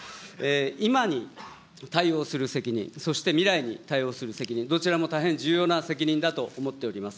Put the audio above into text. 今に対応する責任、そして未来に対応する責任、どちらも大変重要な責任だと思っております。